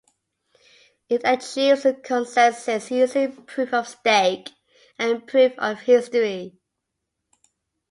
It achieves consensus using proof of stake and proof of history.